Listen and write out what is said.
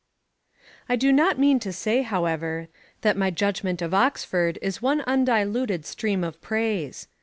I do not mean to say, however, that my judgment of Oxford is one undiluted stream of praise.